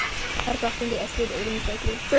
هر پښتون دي عصري علوم زده کړي.